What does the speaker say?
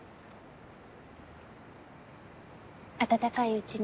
温かいうちに。